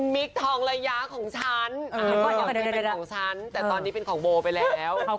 มันยังไงคะแม่